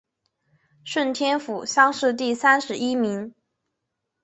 顺天府乡试第三十一名。